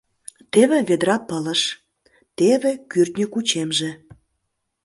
Теве ведра пылыш, теве кӱртньӧ кучемже.